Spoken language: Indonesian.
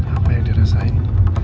apa yang dirasain